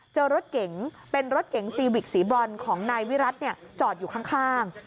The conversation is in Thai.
เจอรถเก๋งเป็นรถเก๋งซีวิกสีบรอนของนายวิรัติจอดอยู่ข้าง